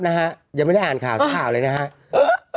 ยังไม่ได้อ่านข่าวข้าวเลยนะครับ